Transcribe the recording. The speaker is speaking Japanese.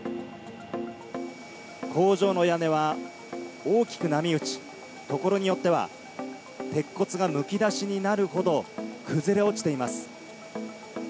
工場の屋根は、大きく波打ち、所によっては鉄骨がむき出しになるほど崩れ落ちています。